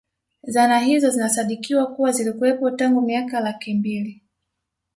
Zana hizo zinasadikiwa kuwa zilikuwepo tangu miaka laki mbili